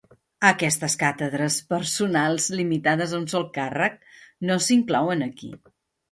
Aquestes càtedres "personals" limitades a un sol càrrec no s'inclouen aquí.